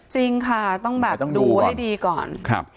จริงค่ะต้องดูไว้ดีก่อน